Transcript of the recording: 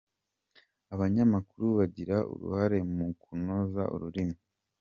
Abanyamakuru bagira uruhare mu kunoza ururimi.